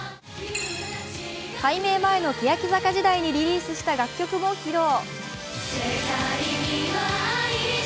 改名前の欅坂時代にリリースした楽曲を披露。